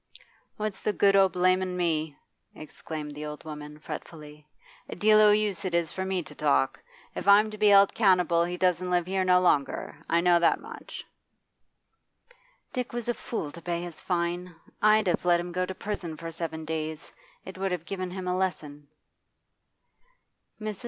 'What's the good o' blamin' me?' exclaimed the old woman fretfully. 'A deal o' use it is for me to talk. If I'm to be held 'countable he doesn't live here no longer; I know that much.' 'Dick was a fool to pay his fine. I'd have let him go to prison for seven days; it would have given him a lesson.